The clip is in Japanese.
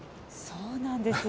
そうなんです。